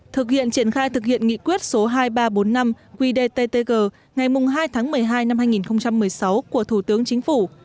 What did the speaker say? thực hiện triển khai thực hiện nghị quyết số hai nghìn ba trăm bốn mươi năm qdttg ngày hai tháng một mươi hai năm hai nghìn một mươi sáu của thủ tướng chính phủ